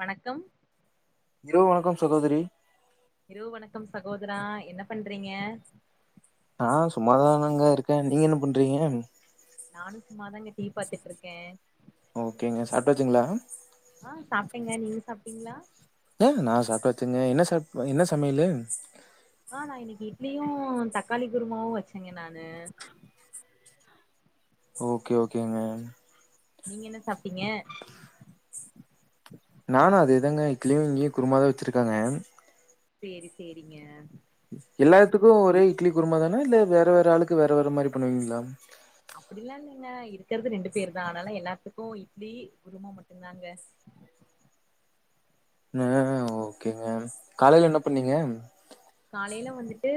வணக்கம் இரவு வணக்கம் சகோதரி இரவு வணக்கம் சகோதரா என்ன பண்றீங்க ஆ சும்மாதானங்க இருக்கே நீங்க என்ன பண்றீங்க நானு சும்மாதாங்க டீ பாத்துட்டு இருக்கே ஓகேங்க சாப்டாச்சுங்களா ஆ சாப்ட்டேங்க நீங்க சாப்ட்டீங்களா ஏ நா சாப் அ வச்சிங்க என்ன ச என்ன சமயலு ஆ நா இன்னக்கி இட்லியு தக்காளி குருமாவு வச்சேங்க நானு ஓகே ஓகேங்க நீங்க என்ன சாப்ட்டீங்க நானு அதுேதாங்க இட்லியு இங்கேயு குருமாதா வச்சிருக்காங்க செரி செரிங்க எல்லாத்துக்கு ஒரே இட்லி குருமா தானா இல்ல வேற வேற ஆளுக்கு வேற வேற மாரி பண்ணுவீங்களா அப்படிலா இல்லங்க இருக்கறிறது ரெண்டு பேரு தா ஆனால எல்லாத்துக்கு இட்லி குருமா மட்டும்தாங்க ஆ ஓகேங்க காலைல என்ன பண்ணீங்க காலைல வந்துட்டு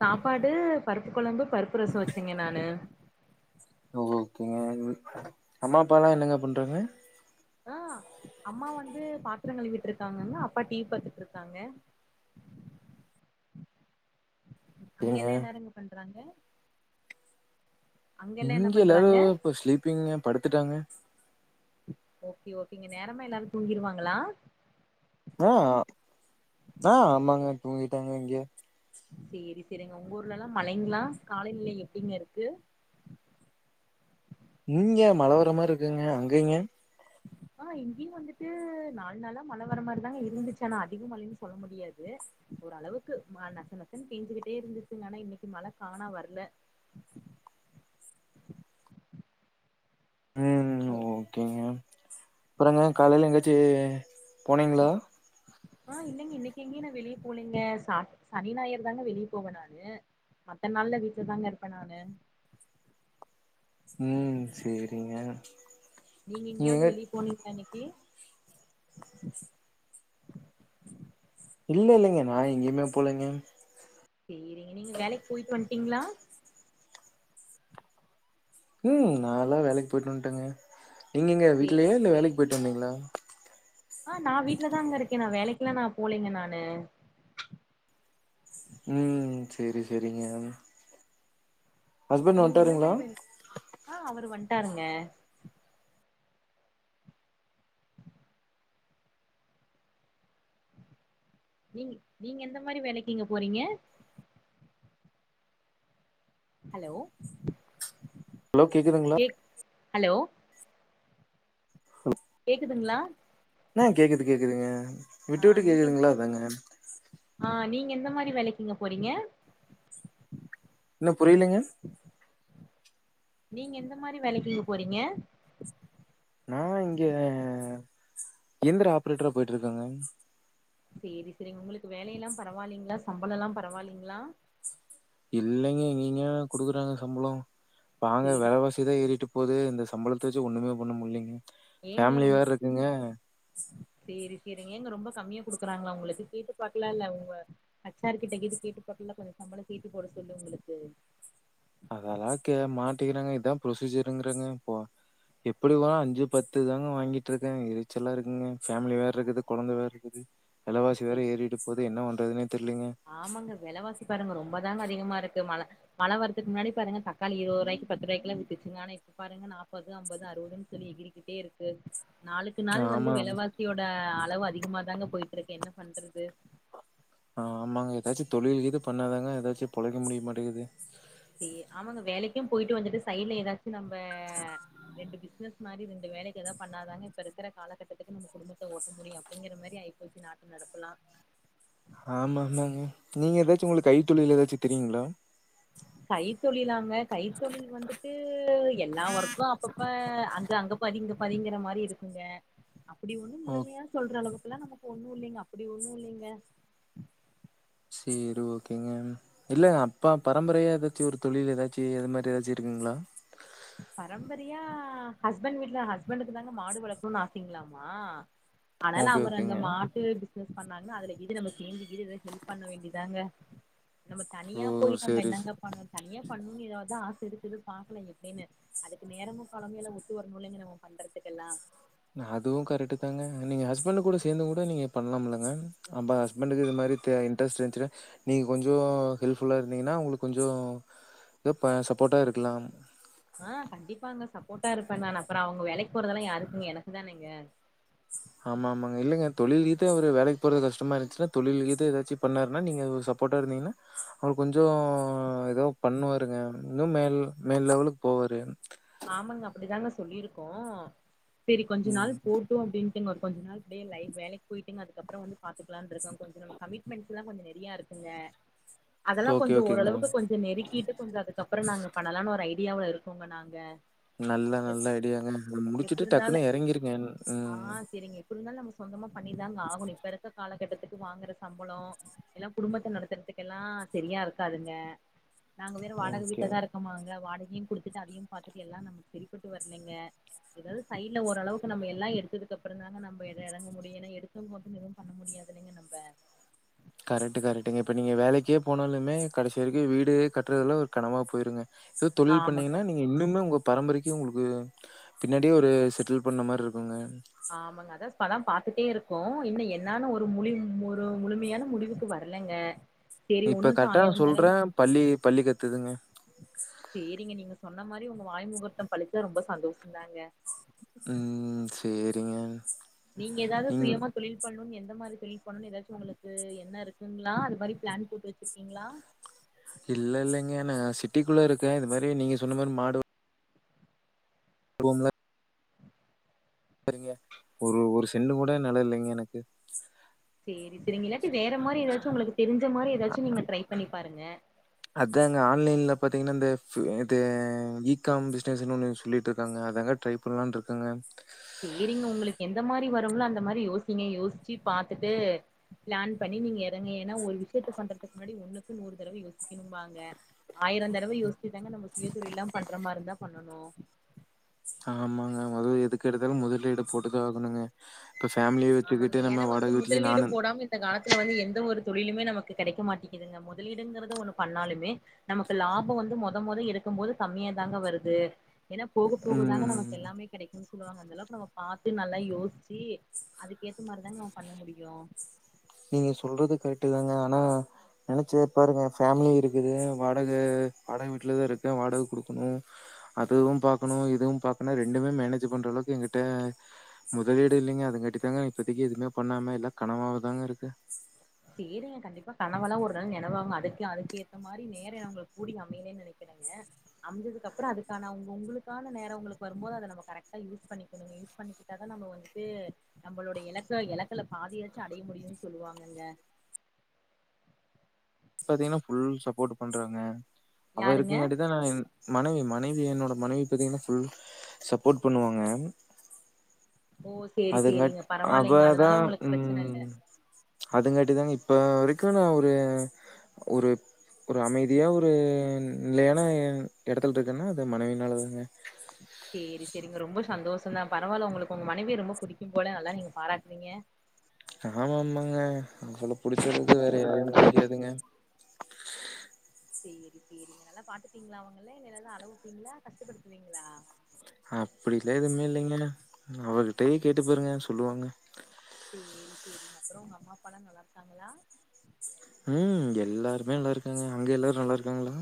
சாப்பாடு பருப்பு கொழம்பு பருப்பு ரசோ வச்சங்க நானு ஓ ஓகேங்க அம்மா அப்பால்லா என்னங்க பண்றங்க ஆ அம்மா வந்து பாத்திரம் கழுவிட்டு இருக்காங்கங்க அப்பா டிவி பாத்துட்டு இருக்காங்க ஏங்க அங்கலா எல்லாரு என்ன பண்றாங்க அங்க எல்லா என்ன இங்க எல்லாரு பண்றாங்க இப்ப ஸ்லீப்பிங்க படு கத்துட்டாங்க ஓகே ங்க நேரமா எல்லாரு தூங்கிருவாங்களா ஆ ஆ ஆமாங்க தூங்கிட்டாங்க இங்க செரி செரிங்க ஊர்லல்லா மழைங்களா காலநிலை எப்டிங்க இருக்கு நீங்க மழ வர மாரி இருக்குங்க அங்கைங்க ஆ இங்கேயு வந்துட்டு நாலு நாளா மழ வர மாரிதாங்க இருந்துச்சு ஆனா அதிக மழன்னு சொல்ல முடியாது ஓரளவுக்கு நச நசன்னு பெஞ்சிக்கிட்டே இருந்துச்சுங்க ஆனா இன்னைக்கு மழை காணா வரல ம் ஹலோ ஓகேங்க அப்புறங்க காலைல எங்காச்சி போனீங்களா எங்யு நா வெளிய போலங்க சா சனி நாயர் தாங்க வெளியே போவே நானு மத்த நாள்ல வீட்ல தாங்க இருப்பேன் நானு ம் செரிங்க நீங்க இங்கயாவது வெளிய போனீங்களா இன்னெக்கி இல்ல இல்லங்க நா எங்கேயுமே போலேங்க செய்ரிங்க நீங்க வேலைக்கு போய்ட்டு வந்டு இங்ளா உ நாலா வேலைக்கு போய்ட்டு வந்டேங்க நீங்கெங்க வீட்லயா சேரி இல்ல வேலைக்கு சேரிங்க போய்ட்டு வந்தீங்ளா ஆ நா வீட்லதானுங்க இருக்கே நா வேலைக்குலா நா போலேங்க நானு உ செரி செரிங்க நீங்க எந்த மாரி வே ஆ அவருவண்ட் டாருங்க நீங்க நீங்க எந்த மாரி வேலைக்குங்க போறீங்க ஹலோ ஹலோ கேக்குதுங்ளா கேக் ஹலோ கேக்குதுங்களா லோ ஹ கேக்குது கேக்குதுங்க விட்டு ஆ விட்டு நீங்க கேக்குதுங்ளா அதாங்க நிங்க எந்த மாரி வேலைக்குங்க போறீங்க என்ன புரியலங்க நீங்க எந்த மாரி வேலைக்குங்க போறீங்க நா இங்க இயந்திர ஆப்ரேட்டரா போய்ட்ருக்கேங்க செரி செரிங் உங்ளுக்கு வேலையெல்லா பரவாலிங்களா சம்பளோலா பரவாலிங்களா இல்லைங்க எங்கங்க குடுக்குறாங்க சம்பளோ பாங்க சேரி வெலவாசிதா ஏறிட்டு ப்போது இந்த சம்பெளத்த வெச்சி ஒண்ணுமே பண்ண முல்லீங்க ஏங்க ஃபேமகலி ரொம்ப வேற இருக்குங்க செரிங்க ஏங்க ரொம்ப கம்மியா குடுக்குறாங்ளா உங்ளுக்கு கேட்டு பாக்லால்ல உங்க அச்சார் கிட்ட கேட்டு கேட்டு பாக்லால சம்பளம் ஏத்தி போட சொல்லி உங்களுக்கு அதெல்லா கே மாட்டிகிறாங்க இதா ப்ரொசீஜருங்கறாங்க போ எப்டிவா அஞ்சு பத்து தாங்க வாங்கிட்ருக்கே எரிச்சலா இருக்குங்க ஃபேமிலி வேற இருக்குது கொழந்த வேற இருக்குது வெளவாசி வேர ஏறிட்டு போது என்ன பன்றதுனே ஆமாங்க வெலவாசி பாருங்க ரொம்ப தாங்க அதிகமா இருக்கு மல மல வரதுக்கு முன்னாடி பாருங்க தக்காளி இருவரூாவாய்கு பத்து ரூவாய்குலா வித்துட்ருந்தானே ஆனா இப்ப பாருங்க நாப்பது அம்பது அறுவதுனு சொல்லி எகிரிகிட்டே இருக்கு நாளுக்கு நாள் வந்து ஆமா ஆமா. வெலவாசியோட அளவு அதிகமா தாங்க போய்ட்ருக்கு என்ன பண் வருது ஆ ஆமாங்க ஏதாச்சு தொழில் கிது பண்ணாதாங்க ஏதாச்சு பொழைக்க முடியு மாட்டேங்கிது செரி ஆமாங்க வேலைக்கு போய்ட்டு வந்துட்டு சைட்ல ஏதாச்சு நம்ம ரெண்டு பிசினெஸ் மாரி ரெண்டு வேலைக்கு ஏதாவ் பண்ணாதாங்க இப்ப இருக்கிற காலகட்டத்துக்கு நம்ம குடும்பத்த ஓட்ட முடியு அப்டிங்கிற மாரி ஆய்ப்போச்சு நாட்டு நடப்புலா ஆமாமாங்க நீங்க ஏதாச்சு உங்ளுக்கு கைத்தொழில் ஏதாச்சு தெரியுங்ளா கைத் தொலிலாங்க கைத்தொழில் வந்துட்டு எல்லா வொர்க்கு அப்பப்ப அந் அங்க பாதி இங்க பாதிங்கற மாரி இருக்குங்க அப்டி ஒந்னு ஓ முழுமையா சொல்ற அளவுக் எல்லா நமக்கு ஒண்ணும் இல்லிங்க அப்டி ஒண்ணும் இல்லிங்க செரி ஓகேங்கன் இல்ல எ அப்பா பாத் பரம்பரையா ஏதாச்சும் ஒரு தொழில் ஏதாச்சு இது மாரி ஏதாச்சும் இருக்குங்ளா பரம்பரியா ஹஸ்பண்ட் வீட்ல ஹஸ்பண்டுக்கு தாங்க மாடு வளக்கணும்னு ஆசைங்களாமா ஆனால ஓகே அவுங் அவர் அந்த ஓகேங்க மாட்டு மிஸ் பண்ணாங்னா அதுல இது நம்ம சேந்து இது இது ஹெல்ப் பண்ண வேண்டியதாங்க நம்ம தனியா ஓ போய் நம்ம சேரி சே என்னங்க பண்ணுனு தனியா பண்ணுன்னு எதாவது ஆச இருக்குது பாக்லா எப் அப்டின்னு அதுக்கு நேரமு காலமு எல்லா ஒத்து வரணுலங்க நம்ம பண்றதுக்கெல்லா அதுவும் கரெக்டுதாங்க நீங்க ஹஸ்பண்ட் கூட சேந்தும் கூட நீங்க பண்ணலாம்லங்க நம்ப ஹஸ்பண்டுக்கு இது மாரி த இன்ட்ரெஸ்ட் இருந்துச்சு நீங்க கொஞ்சோ ஹெல்ப்ஃபுல்லா இருந்தீங்கன்னா உங்ளுக் கொஞ்சோ ஏ ப சப்போட்டா இருக்கலாம் அ கண்டிப்பாங்க சப்போர்ட்டா இருப்ப நா அப்றோ அவுங்க வேலைக் போறதெல்லாம் யாருக்குங்க எனக்கு தானங்க ஆமா ஆமாங்க இல்லிங்க தொழில் ரீதியா அவரு வேலைக் போறது கஷ்டமா இருந்துச்சுன்னா தொழில் ரீதி ஏதாச்சும் பண்ணாருன்னா நீங்க சப்போர்ட்டா இருந்தீங்கன்னா அவரு கொஞ்சோ எதோ பண்ணுவாருங்க இன்னும் மேல் மேல் லெவலுக்கு போவாரு ஆமாங்க அப்டிதாங்க சொல்லிருக்கோ செரி கொஞ்ச நாள் ம் போட்டும் அப்டின் தின் ஒரு கொஞ்சு நாள் அப்டியே லைப் வேலைக்கு போயிட்டுங்க அதுக்கப்றோ வந்து பாத்துக்கலான்ட்டிருக்கோ கொஞ்ச நம்ம கமிட்மெண்ட்ஸ் லா கொஞ்சோ நெறையாருக்குங்க அதெல்லா ஓகே, கொஞ்சோ ஓகேங்க. ஓரளவுக்கு கொஞ்ச நெருக்கிட்டு கொஞ்சோ அதுக்கப்றோ நாங்க பண்ணலாம்னு ஒரு ஐ டியாவு இருக்கோங்க நாங்க நல்ல எப் நல்ல ஐடியாங்க எப்டி முடிச்சுட்டு இருந்தாலு டக்குனு எறங்கிருக்க ம் புருந்தாலும் நம்மோ சொந்தமா பண்ணிதாங்க ஆகணும் இப்ப இருக்கற காலகட்டத்துக்கு வாங்குற சம்பளோ எல்லா குடும்பத்த நடத்துறதுக்கெல்லா செரியா இருக்காதுங்க நாங்க வேறும் வாடக ஓகே. வீட்ல தா இருக்கமாங்க வாடகை மீன் குடுத்துட்டு அதையும் பாதி செரி எல்லா நமக் செரிபட்டு வரலேங்க ஏதாவது சைடுல ஓரளவுக்கு நம்ம எல்லா எடுத்ததுக்கு அப்பறந்தாங்க நம்ம எ எறங்க முடியுனு எடுத்தோ கவுத்தோனு எதுவும் பண்ண முடியாதுல்லைங்க நம்ப கரெக்டு கரெக்டுங்க இப்ப நீங்க வேலைக்கே போனாலுமே கடைசி வரைக்கும் வீடு கட்டுறதுல ஒரு கனவா போயிருங்க ஏதோ தொழில் ஆமாங்க பண்ணீங்கன்னா நீங்க இன்னுமே உங்கப் பரம்பரைக்கும் உங்ளுக்கு பின்னாடியே ஒரு செட்டில் பண்ண மாரி இருக்குங்க ஆமங்க அதாஸ் இப்பதா பாத்துட்டே இருக்கோ இன்ன என்னான ஒரு முழிங் முரு முழுமையான முடிவுக்கு வரலங்க சேரி இப்ப ஒண்ணுக்கு கரெக்டா நா ஆயிரம் தடவ சொல்ற பல்லி பல்லி கத்துதுங்க செரிங்க நீங்க சொன்ன மாரி உங்க வாய்முகூர்த்தம் பழிச்சா ரொம்ப சந்தோஷதாங்க ம் செரிங்க நீங்க ஏதாவது நீங் சுயமா தொழில் பண்ணணுன்னு எந்த மாரி தொழில் பண்ணணு ஏதாச்சும் உங்ளுக்கு எண்ணோ இருக்குங்ளா அது மாரி பிளான் போட்டு வச்சிருக்கீங்ளா இல்ல இல்லங்க நா சிட்டிக்குள்ள இருக்க இது மாரி நீங்க சொன்ன மாரி மாடு ரூம்ல செரிங்க ஒரு ஒரு செண்டு கூட நெல இல்லங்க எனக்கு சேரி செரிங்க இல்லாட்டி வேற மாரி எதாச்சு உங்ளுக்கு தெருஞ்ச மாரி எதாச்சு நீங்க ட்ரை பண்ணி பாருங்க அதாங்க ஆன்லைன்ல பாத்தீங்கனா இந்த இது இ காம் பிஸ்னஸ்ஸுனு ஒன்னு சொல்லிட்ருக்காங்க அதாங்க ட்ரை பண்லான்ருக்கங்க சேரிங்க உங்களுக்கு எந்த மாரி வருங்ளோ அந்த மாரி யோசிங்க யோசிச்சு பாத்துட்டு பிளான் பண்ணி நீங்க எறங்க ஏன்னா ஒரு விஷ்யத்த பண்றதுக்கு முன்னாடி ஒன்னுக்கு நூறு தடவ யோசிக்கணும்பாங்க ஆயிர தடவ யோசிச்சு தாங்க நம்ம சுயதொழில்லா பண்ற மாரிந்தா பண்ணணு ஆமாங்க மொத எதுக்கெடுத்தாலு முதலீடு போட்டு தா ஆகணுங்க இப்ப ஃபேமிலிய ஆமாங்க வச்சுக்கிட்டு ஏனா நம்ம வந்துட்டு வாடகை வீட்லயே முதலீடு நானும் போடாம இந்த காலத்துல வந்து எந்த ஒரு தொழிலுமே நமக்கு கெடைக்க மாட்டிக்குதுங்க மொதலீடுங்குறது ஒன்னு பண்ணாலுமே நமக்கு லாப வந்து மொத மொத எடுக்கும்போது கம்மியாதாங்க வருது ஏனா போக போகதாங்க நமக்கு ம். எல்லாமே கெடைக்குன் சொல்லுவாங்க அந்தளவுக்கு நம்ம பாத்து நல்லா யோசுச்சி அதுக்கேத்த மாரிதாங்க பண்ண முடியு நீங்க சொல்றது கரெட்டு தாங்க ஆனா நெனச்சே பாருங்க ஃபேமிலி இருக்குது வாடக வாடக வீட்லதா இருக்கே வாடக குடுக்கணு அதுவு பாக்கணு இதுவு பாக்கணு ரெண்டுமே மேனேஜ் பண்ற அளவுக்கு எங்கிட்ட முதலீடு இல்லைங்க அதுங்காட்டி தாங்க இப்பத்திக்கு எதுவுமே பண்ணாம எல்லா கனவாவதாங்க இரு க்கு சேரிங்க கண்டிப்பா கனவெல்லா ஒரு நாள் நெனவாகு அதுக்கு அதுக்கேத்த மாரி நேர நம்மளுக் கூடி அமையலேன் நெனைக்குறங்க அமஞ்சதுக்கப்றோ அதுக்கான உங் உங்களுக்கான நேர உங்களுக்கு வரும் போது அத நம்ம கரெக்டா யூஸ் பண்ணிக்கணுங்க யூஸ் பண்ணிக்கிட்டாதா நம்ம வந்துட்டு நம்மளோட எலக்க எலக்குல பாதியாச்சு அடைய முடியுன் சொல்லுவாங்கங்க பாத்தீங்கனா ஃபுல் சப்போட்டு பண்றாங்க அவ யாருங்க இருக்கங்காட்டிதா நா இன் மனைவி மனைவி என்னோட மனைவி பாத்திங்னா ஃபுல் சப்போர்ட் பண்ணுவாங்க ஓ சேரி அதுங்காட் சேரிங்க பரவாயில்லைங்க அவதா அதனால உங்களுக்கு பிரச்சன இல்ல ம் அதுங்காட்டிதாங்க இப் ப வரைக்கு நா ஒரு ஒரு ஒரு அமைதியா ஒரு நிலையான எடத்துல இருக்கன்னா அது மனைவினால தாங்க சேரி செரிங்க ரொம்ப சந்தோசந்தா பரவால்ல உங்களுக்கு உங்க மனைவிய ரொம்ப புடிக்கும் போல நல்லா நீங்க பாராட்றீங்க ஆமாமாங்க அவள புடுச்ச அளவுக்கு வேற யாரயு புடிக்காதுங்க சேரி சேரிங்க நல்லா பாத்துப்பீங்ளா அவுங்கள இல்ல எதாது அழ வப்பீங்ளா? கஷ்டப்படுத்துவீங்களா? அப்டில்லா எதுவ்மே இல்லைங்க அவகிட்டயே கேட்டு பாருங்க சொல்லுவாங்க சேரி சேரிங்க அப்றோ உங்க அம்மா அப்பாலா நல்லாருக்காங்ளா? ம் எல்லாருமே நல்லாருக்காங்க அங்க எல்லாரு நல்லாருக்காங்ளா?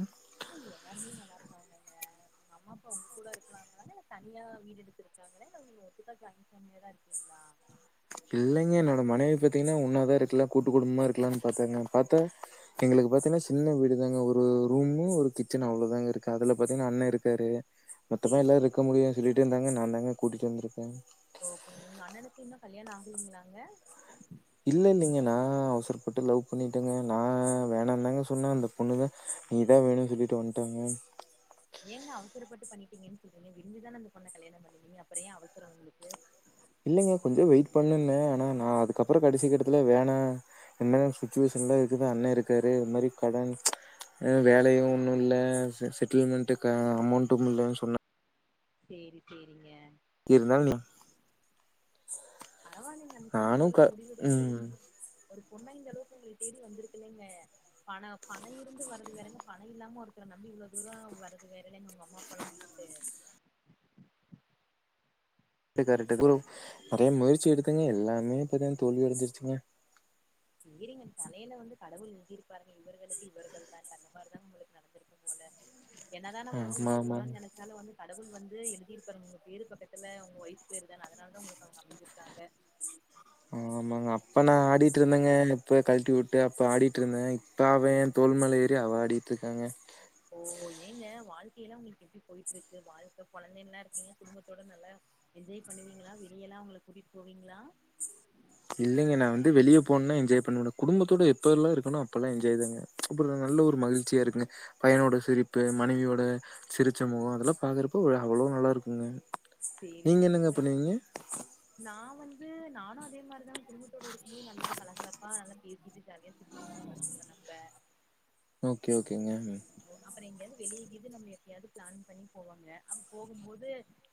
ஆ எல்லாருமே நல்லாருக்காங்கங்க உங்க அம்மா அப்பா உங் கூட இருக்கலாங்களா இல்ல தனியா வீடு எடுத்து இருக்காங்களா இல்ல நீங்க ஒட்டுக்கா ஜாயின் ஃபேமிலியா தா இருக்கீங்ளா? இல்லைங்க என்னோட மனைவி பாத்தீங்கனா ஒன்னாதா இருக்கலா கூட்டு குடும்பமா இருக்லான் பாத்தாங்க பாத்தா எங்களுக்கு பாத்தனா சின்ன வீடுதாங்க ஒரு ரூமு ஒரு கிச்சன் அவ்ளொதாங்க இருக்கு அதுல பாத்தீங்னா அண்ண இருக்காரு மொத்தமா சேரி எல்லாருக்க சேரிங்க. முடியாது சொல்லிட்டேந்தாங்க நாந்தாங்க கூட்டிட்டு‌வந்துருக்கேங்க ஓகேங்க உங்க அண்ணனுக்கு இன்னு கல்யாணொ ஆகலைங்கலாங்க இல்லெல்லைங்க நா அவசரப்பட்டு லவ் பண்ணிட்டேங்க நா வேணாந்தாங்க சொன்னா அந்த பொண்ணு தா சேரி சேரிங்க. நீ தா வேணுன் சொல்லிட்டு வன் டாங்க ஏங்க அவசரப்பட்டு பண்ணிட்டீங்கன் சொல்றீங்க விரும்பிதான அந்த பொண்ண கல்யாணொ பண்ணிட்டீங்க அப்ற ஏ அவசரொ உங்ளுக்கு இல்லங்க கொஞ்சொ வெயிட் பண்ணுன்னே ஆனா நா அதுக்கப்புறோ கடைசி கட்டத்துல வேணா என்னென்ன சுச்சுவேஷன்லா இருக்குது அண்ண இருக்காரு இந்த மாரி கடன் வேலயு ஒன்னு இல்ல செட்டில்மெண்ட்டுகான அமௌண்ட்டும் இல்ல சொன்ன சேரி சேரிங்க இருந்தாலு நீ பரவால்லைங்க அந்த பொண்ணு நானும் க இந்தளவுக்கு முடிவெடுத்து ஒரு ம் ஒரு பொண்ணா இந்த அளவுக்கு உங்களைய தேடி வந்திருக்கு இல்லைங்க பணோ பணோ இருந்து வர்றது வேறங்க பணோ இல்லாம ஒருத்தர நம்பி இவ்ளோ தூரோ வர்றது வேற இல்லைங்க அவுங்க அம்மா அப்பால்லா உட்டு கரெக்ட்டு கரெக்ட்டு கு நெறைய முயற்சி எடுத்தேங்க எல்லாமே பாத்தா தோல்வி அடஞ்சிருச்சுங்க சேரிங்க தலைல வந்து கடவுள் எழுதிருப்பாருங்க இவர்களுக்கு இவர்கள்தான்ட்டு அந்த மாரிதா உங்களுக்கு நடந்திருக்கு போல என்னதா நம்ம வந்து ஆமா விட்டு ஆமாங்க. போணானு நெனைச்சாலு வந்து க கடவுள் வந்து எழுதிருப்பாருங்க உங்க பேரு பக்கத்துல உங்க ஒய்ஃப் பேருதானு அதனாலதா உங்களுக்கு அவங்க அமஞ்சிருக்காங்க ஆமாங்க அப்ப நா ஆடிட்ருந்தேங்க இப்ப கழட்டிவிட்டு அப்ப ஆடிட்ருந்தே இப்ப அவ ஏன் தோள் மேல ஏறி அவ ஆடிட்ருக்காங்க ஓ ஏங்க வாழ்க்கை எல்லா உங்களுக்கு எப்டி போயிட்ருக்கு வாழ்க்க கொழந்தை எல்லா இருக்கு குடும்பத்தோட நல்லா என்ஜாய் பண்ணுவீங்களா வெளிய எல்லா அவங்கள கூட்டிட்டு போவீங்களா? இல்லைங்க நா வந்து வெளிய போனன்னா என்ஜாய் பண்ண மாட்ட குடும்பத்தோட எப்பெல்லா இருக்கனோ அப்பல்லா என்ஜாய்தாங்க அப்பல்லா நல்ல ஒரு மகிழ்ச்சியா இருக்குங்க பையனோட சிரிப்பு மனைவியோட சிரிச்ச முகோ அதெல்லா பாக்குறப்போ ஒரு அவ்ளோ நல்லா இருக்குங்க சேரி சேரிங்க [unintelligible] நா வந்து நானு அதே மாரிதா குடும்பத்தோட இருக்கும் போது நல்லா கலகலப்பா நல்லா பே சிட்டு ஜாலியா சிரிச்சிட்டு நம்ம இருப்போங்க நம்ம ஓகே ஓகேங்க அப்பற எங்கயாது வெளிய கீது நம்ம எப்பயாது பிளான் பண்ணி போவாங்க அ போகும் போது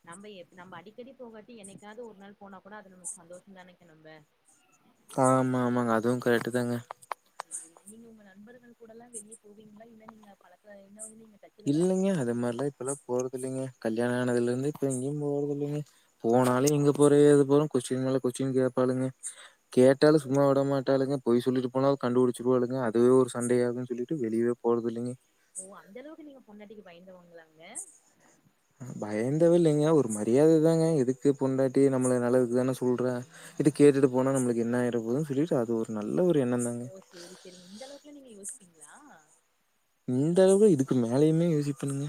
நம்ம எப் நம்ப அடிக்கடி போகாட்டி என்னைக்காது ஒரு நாள் போனா கூட அது நமக்கு சந்தோஷந்தான்னு நெனைக்கே நம்ப ஆமா ஆமாங்க அதுவு கரெக்ட்டுதாங்க சேரிங்க நீங்க உங்க நண்பர்கள் கூடல்லா வெளிய போவீங்களா இல்ல நீங்க பழக்கோலா இன்னு நீங் இல்லைங்க அது மாரிலா இப்ப எல்லாம் போறது இல்லைங்க கல்யாணோ ஆனதுல இருந்து இப்ப எங்கயு போறது இல்லைங்க ஏங்க போனாலு எங்க அப்படின்னுலாம் போற ஏது கேக்குது. போறோன்னு கொஸ்டீன் மேல கொஸ்டீன் கேப்பாளுங்க கேட்டாலு ஓ சும்மா விடமாட்டாளுங்க பொய் சொல்லிட்டு போனா கண்டுபுடிச்சிருவாளுங்க அதுவே ஒரு சண்டை ஆகுன்னு சொல்லிட்டு வெளியவே போறது இல்லைங்க ஓ அந்த அளவுக்கு நீங்க பொண்டாட்டிக்கு பயந்தவங்களாங்க? ம் பயந்தவ இல்லைங்க ஒரு மரியாததாங்க எதுக்கு பொண்டாட்டி நம்மள நல்லதுக்குதான சொல்றா இது கேட்டுட்டு போனா நம்மளுக்கு என்ன ஆயிற போதுன்னு சொல்லிட்டு அது ஒரு நல்ல ஒ ஓ சேரி சேரிங்க இந்த அளவுக்கல்லா நீங்க யோசி ப்பீங்களா? இந்த அளவுக்கு இதுக்கு மேலயுமே யோசிப்பனுங்க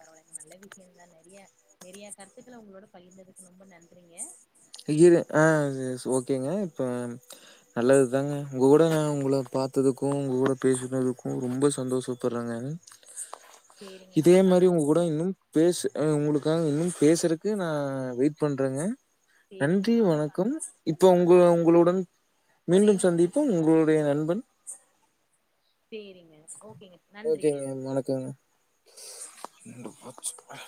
பரவால்லைங்க நல்ல விஷயந்தா நெறைய நெறைய கருத்துக்கள உங்களோட பகிர்ந்ததுக்கு ரொம்ப நன்றிங்க இது ஆ சே ஸ் ஓகேங்க இப்ப நல்லதுதாங்க உங்க கூட நா உங்கள பாத்ததுக்கு உங்க கூட பேசுனதுக்கு ரொம்ப சந்தோஷப்படுறேங்க சேரிங்க இதே நமக்கான மாரி உங்க அழைப்பு கூட இன்னும் பேசு ஆ உங்களுக் காக இன்னு பேசுறக்கு நா வெய்ட் பண்றேங்க சேரிங்க நன்றி நானு வணக்கம் காத்திருக்கேங்க இப்போ நானு உங்க நா உங்களுடன் ஒரைய மீண்டும் முடித்து சந்திப்போம் கொள்ளலாங்க உங்களுடைய நண்பன் ஓ ஓகேங்க வணக்கங்க [inaudible]